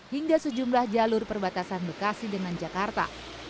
hingga sejumlah jalur perbatasan bekasi dengan jakarta